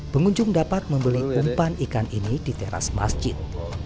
pengunjung dapat membeli umpan ikan ini di teras masjid